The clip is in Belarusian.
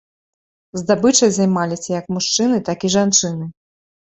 Здабычай займаліся як мужчыны, так і жанчыны.